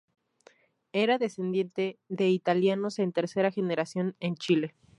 Era descendiente de italianos en tercera generación en Chile.